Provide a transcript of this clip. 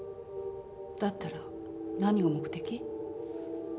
だったら何が目的？